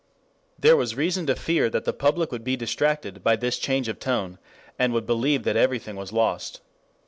There was reason to fear that the public would be distracted by this change of tone and would believe that everything was lost.